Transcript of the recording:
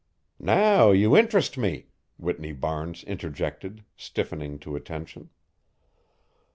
"Now you interest me," Whitney Barnes interjected, stiffening to attention.